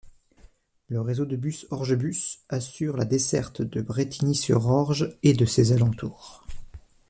Le réseau de bus Orgebus assure la desserte de Brétigny-sur-Orge et de ses alentours.